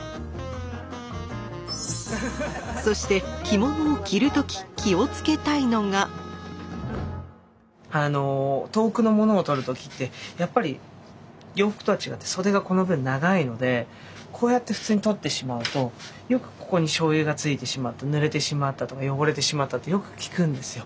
そしてあの遠くのものを取る時ってやっぱり洋服とは違って袖がこの分長いのでこうやって普通に取ってしまうとよくここにしょうゆが付いてしまってぬれてしまったとか汚れてしまったってよく聞くんですよ。